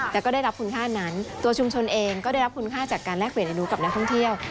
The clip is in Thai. แต่ก็ได้รับคุณค่านั้นตัวชุมชนเองก็ได้รับคุณค่าจากการแลกเปลี่ยนอนุกับนักท่องเที่ยว